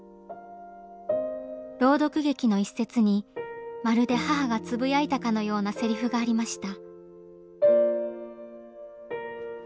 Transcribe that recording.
朗読劇の一節にまるで母がつぶやいたかのようなセリフがありました。